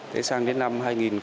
thế sang đến năm hai nghìn hai mươi